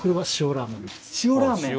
塩ラーメン？